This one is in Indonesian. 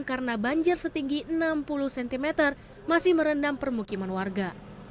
karena banjir setinggi enam puluh cm masih merendam permukiman warga